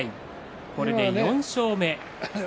これが４勝目。